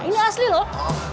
ini asli loh